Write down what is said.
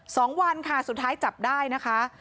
สองวันค่ะสุดท้ายจับได้นะคะ